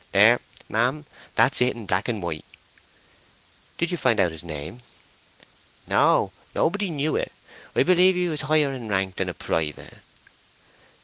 There, ma'am, that's it in black and white." "Did you find out his name?" "No; nobody knew it. I believe he was higher in rank than a private."